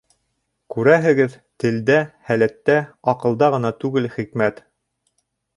Күрәһегеҙ, телдә, һәләттә, аҡылда ғына түгел хикмәт.